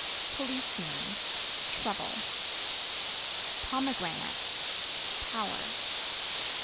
Policeman Trouble. Pomegranate Power.